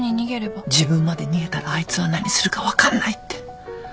自分まで逃げたらあいつは何するか分かんないって。